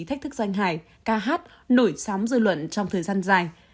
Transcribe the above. thách thức danh hài ca hát nổi sóng dư luận trong thời gian dài